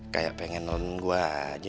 kayak pengen nomor gue aja